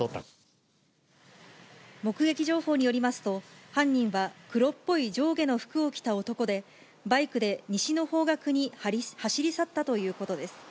目撃情報によりますと、犯人は黒っぽい上下の服を着た男で、バイクで西の方角に走り去ったということです。